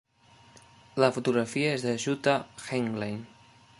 La fotografia és de Jutta Heinglein.